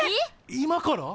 今から！？